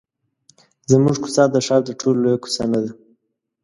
زموږ کوڅه د ښار تر ټولو لویه کوڅه نه ده.